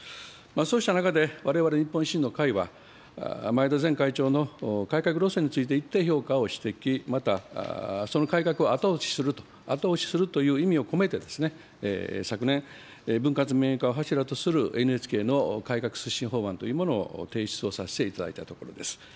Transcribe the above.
そうした中で、われわれ日本維新の会は、前田前会長の改革路線について一定評価をしてき、またその改革を後押しすると、後押しするという意味を込めて、昨年、分割民営化を柱とするＮＨＫの改革推進法案というものを提出をさせていただいたところです。